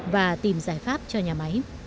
và tìm giải pháp cho nhà máy